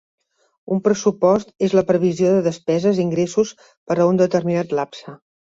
Un pressupost és la previsió de despeses i ingressos per a un determinat lapse